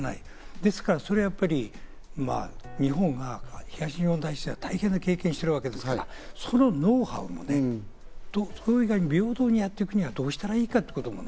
ですから、それは日本が東日本大震災の大変な経験をしてるわけですから、そのノウハウをね、平等にやっていくにはどうしたらいいかということね。